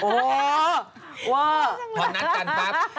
มาแล้วนัดกันปั๊บ